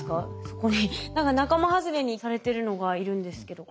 そこに何か仲間外れにされてるのがいるんですけど。